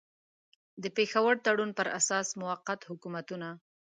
د پېښور تړون پر اساس موقت حکومتونه.